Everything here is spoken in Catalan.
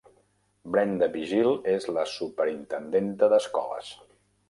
Brenda Vigil és la superintendenta d'escoles.